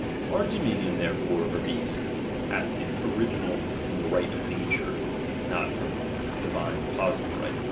Our dominion therefore over beasts, hath its original from the right of na ture, not from divine positiie right.